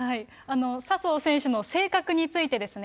笹生選手の性格についてですね。